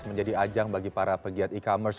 menjadi ajang bagi para pegiat e commerce